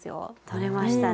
とれましたね。